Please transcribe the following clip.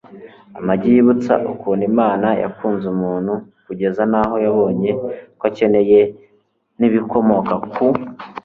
amagi yibutsa ukuntu imana yakunze muntu kugeza n'aho yabonye ko akeneye n'ibikomoka ku